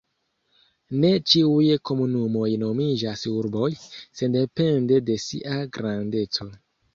Ne ĉiuj komunumoj nomiĝas urboj, sendepende de sia grandeco.